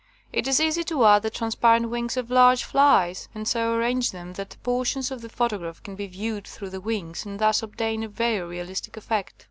It is easy to add the transparent wings of large flies and so arrange them that portions of the photograph can be viewed through the wings and thus obtain a very realistic effect.